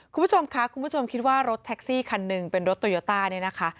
คุณผู้ชมค่ะคุณผู้ชมคิดว่ารถแท็กซี่คันหนึ่งเป็นรถโตโยต้าเนี่ยนะคะ